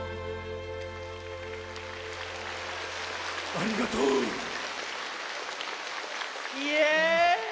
ありがとう！イエー！